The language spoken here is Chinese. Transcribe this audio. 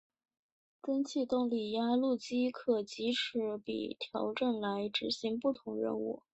蒸气动力压路机可藉齿比调整来执行不同任务。